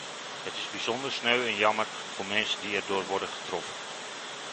Het is bijzonder sneu en jammer voor mensen die erdoor worden getroffen.